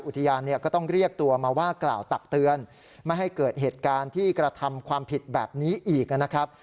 ก็ต้องเรียกตัวมาว่ากล่าวตักเตือนไม่ให้เกิดเหตุการณ์ที่กระทำความผิดแบบนี้อีกนะครับ